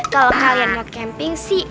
kalau kalian nggak camping sih